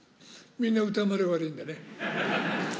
みんな歌丸が悪いんだね。